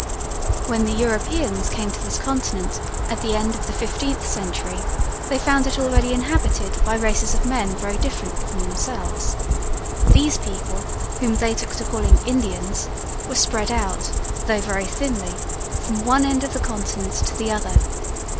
When the Europeans came to this continent at the end of the fifteenth century they found it already inhabited by races of men very different from themselves. These people, whom they took to calling 'Indians,' were spread out, though very thinly, from one end of the continent to the other.